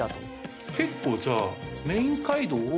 結構じゃあ。